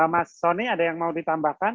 mas soni ada yang mau ditambahkan